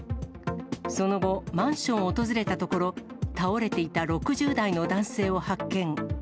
その後、マンションを訪れたところ、倒れていた６０代の男性を発見。